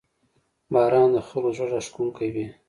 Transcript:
• باران د خلکو زړه راښکونکی وي.